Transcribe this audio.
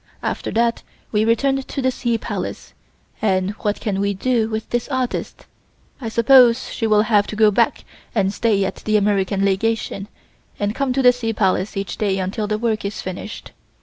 After that we return to the Sea Palace, and what can we do with this artist? I suppose she will have to go back and stay at the American Legation and come to the Sea Palace each day until the work is finished.